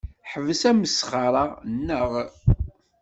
Ḥbes asmesxer-a, naɣ?